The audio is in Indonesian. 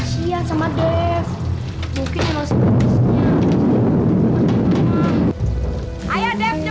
kakak kamu mau panggil siapa